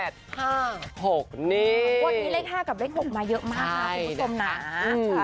วันนี้เลข๕กับเลข๖มาเยอะมากนะคุณผู้ชมนะ